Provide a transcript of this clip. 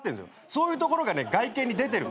そういうところが外見に出てる。